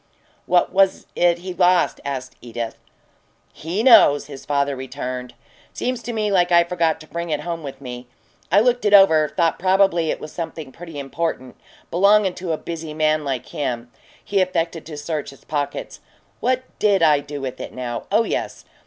"What was it he lost?" asked Edith. "He knows!" her father returned. "Seems to me like I forgot to bring it home with me. I looked it over thought probably it was something pretty important, belongin' to a busy man like him." He affected to search his pockets. "What DID I do with it, now? Oh yes!